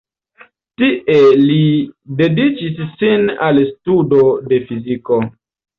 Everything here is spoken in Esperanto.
Tie li dediĉis sin al studo de fiziko.